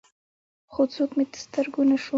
خو څوک مې تر سترګو نه شو.